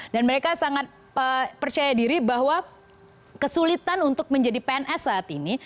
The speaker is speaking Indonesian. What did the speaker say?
dan mereka sangat percaya diri bahwa kesulitan untuk menjadi pns saat ini